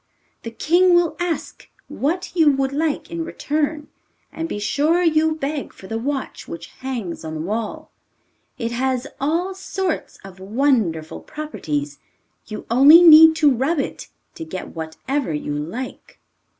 The king will ask what you would like in return, and be sure you beg for the watch which hangs on the wall. It has all sorts of wonderful properties, you only need to rub it to get whatever you like.